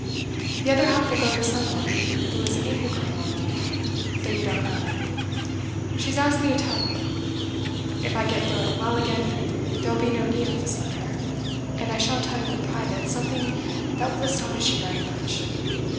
The other half will go to some one who has an equal claim on me, though you don't know it. She has asked me to tell you. If I get thoroughly well again, there will be no need of this letter, and I shall tell you in private something that will astonish you very much.